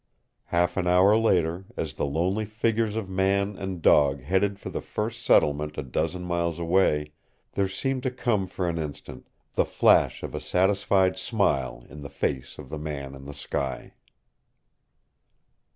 Half an hour later, as the lonely figures of man and dog headed for the first settlement a dozen miles away, there seemed to come for an instant the flash of a satisfied smile in the face of the Man in the sky.